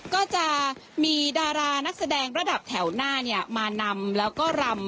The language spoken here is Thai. ก็จะมีดารานักแสดงระดับแถวหน้าเนี้ย